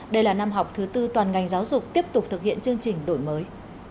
đây là năm học thứ tư toàn ngành giáo dục tiếp tục thực hiện chương trình đổi mới